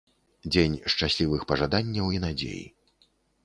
Дзень шчаслівых пажаданняў і надзей.